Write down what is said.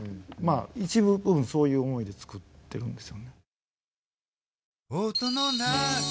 まあ一部分そういう思いでつくってるんですよね。